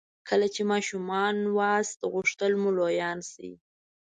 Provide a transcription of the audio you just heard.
کله چې ماشومان وئ غوښتل مو لویان شئ.